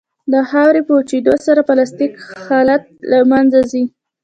د خاورې په وچېدو سره پلاستیک حالت له منځه ځي